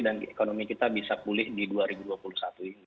dan ekonomi kita bisa pulih di dua riset